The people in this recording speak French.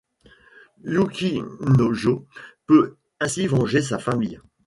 Yukinojô peut ainsi venger sa famille.